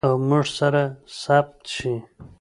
او موږ سره ثبت شي.